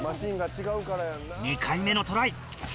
２回目のトライ。